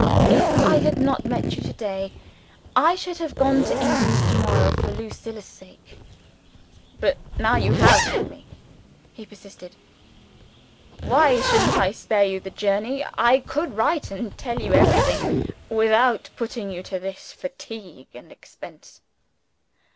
"If I had not met you to day, I should have gone to England to morrow for Lucilla's sake." "But now you have met me," he persisted, "why shouldn't I spare you the journey? I could write and tell you every thing without putting you to this fatigue and expense."